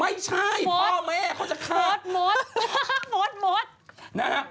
ไม่ใช่พ่อแม่พ่อสักครั้ง